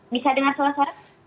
bisa dengar suara suara